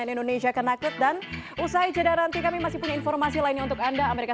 cnn indonesia connected dan usai jeda nanti kami masih punya informasi lainnya untuk anda amerika